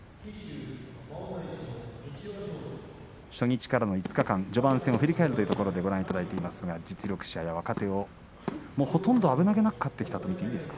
初日からの５日間、序盤戦を振り返るというところでご覧いただいていますが実力者や若手をほとんど危なげなく勝ってきたと見ていいですか。